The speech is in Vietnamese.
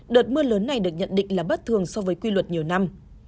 đợt mưa lớn này được nhận định là bất thường so với quy luật nhiều năm